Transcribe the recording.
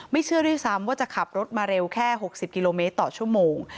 เชื่อด้วยซ้ำว่าจะขับรถมาเร็วแค่๖๐กิโลเมตรต่อชั่วโมง